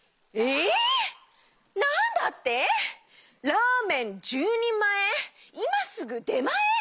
ラーメン１０にんまえいますぐでまえ！？